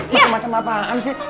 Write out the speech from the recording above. macem macem apaan sih